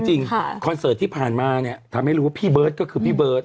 คอนเสิร์ตที่ผ่านมาเนี่ยทำให้รู้ว่าพี่เบิร์ตก็คือพี่เบิร์ต